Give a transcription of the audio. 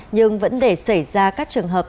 nhưng vẫn để xảy ra các trường hợp